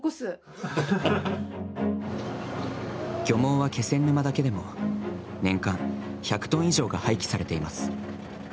漁網は気仙沼だけでも年間１００ｔ以上が廃棄されています。